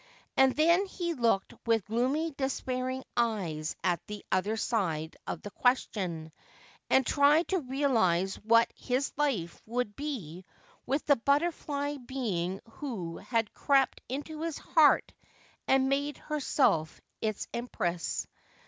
And then he looked with gloomy despairing eyes at the other side of the question, and tried to realise what his life would be with the butterfly being who had crept into his heart and made herself its empress.